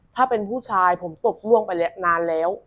ถ้าเป็นผู้ชายผมตกล่วงไปแล้วนานแล้ว